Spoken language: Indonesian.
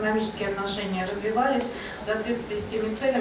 kami ingin kepentingan ekonomi kita berkembang